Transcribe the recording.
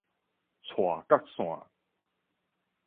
斜角線